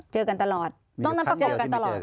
เจอกันตลอดครับ